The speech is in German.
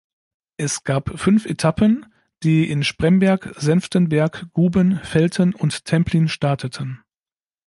Es gab fünf Etappen, die in Spremberg, Senftenberg, Guben, Velten und Templin starteten.